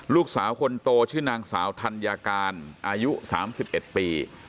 ลูกสาวคนโตชื่อนางสาวธัญการอายุ๓๑ปี